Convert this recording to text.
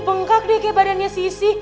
pengkak deh kayak badannya sisi